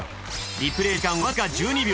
リプレイ時間わずか１２秒。